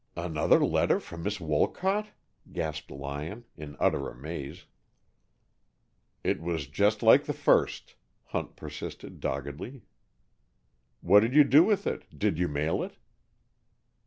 "Another letter for Miss Wolcott?" gasped Lyon, in utter amaze. "It was just like the first," Hunt persisted doggedly. "What did you do with it? Did you mail it?"